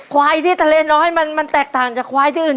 ควายที่ทะเลน้อยมันแตกต่างจากควายที่อื่น